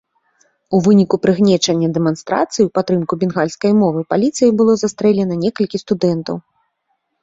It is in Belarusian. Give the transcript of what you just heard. У выніку прыгнечання дэманстрацыі ў падтрымку бенгальскай мовы паліцыяй было застрэлена некалькі студэнтаў.